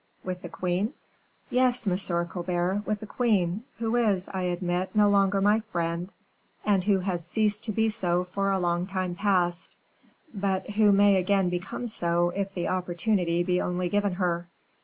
"With the queen?" "Yes, Monsieur Colbert, with the queen, who is, I admit, no longer my friend, and who has ceased to be so for a long time past, but who may again become so if the opportunity be only given her."